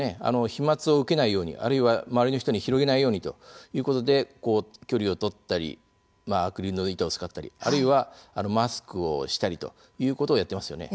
飛まつを受けないようにあるいは周りの人に広げないようにということで、距離を取ったりアクリルの板を使ったりあるいは、マスクをしたりということをやってますよね。